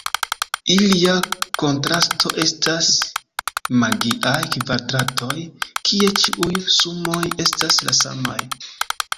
Ilia kontrasto estas magiaj kvadratoj kie ĉiuj sumoj estas la samaj.